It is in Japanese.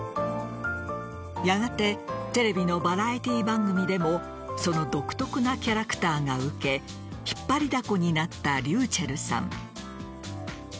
やがてテレビのバラエティー番組でもその独特なキャラクターが受け引っ張りだこになったｒｙｕｃｈｅｌｌさん。